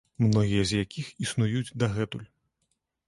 Многія з якіх існуюць дагэтуль.